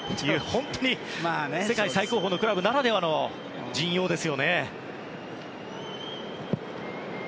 本当に世界最高峰のクラブならではの陣容です。